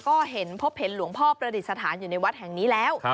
ก็เห็นพบเห็นหลวงพ่อประดิษฐานอยู่ในวัดแห่งนี้แล้ว